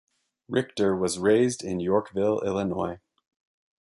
Richter was raised in Yorkville, Illinois.